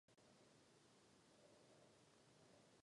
V kapele je označován pod jménem Jake Jackson.